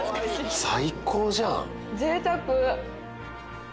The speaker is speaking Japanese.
最高じゃん！